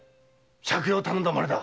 借用を頼んだまでだ。